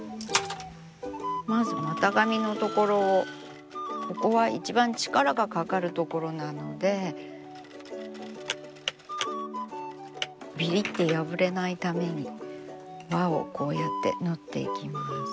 まず股上の所をここは一番力がかかる所なのでビリッて破れないために輪をこうやって縫っていきます。